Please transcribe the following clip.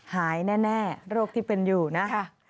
หายแน่โรคที่เป็นอยู่นะ